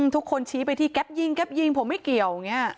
ชี้ไปที่แก๊ปยิงแป๊บยิงผมไม่เกี่ยวอย่างนี้